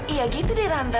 iya gitu deh tante